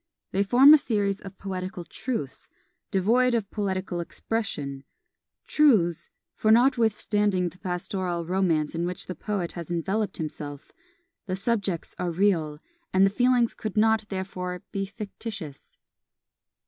They form a series of poetical truths, devoid of poetical expression; truths, for notwithstanding the pastoral romance in which the poet has enveloped himself, the subjects are real, and the feelings could not, therefore, be fictitious.